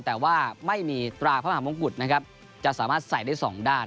แต่ว่าไม่มีตราพมหาวงกุฎจะสามารถใส่ได้๒ด้าน